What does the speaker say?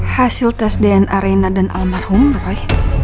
hasil tes dna reina dan almarhum roy